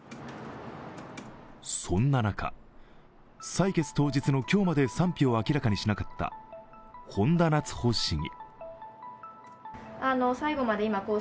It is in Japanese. そんな中、採決当日の今日まで賛否を明らかにしなかった本多夏帆市議。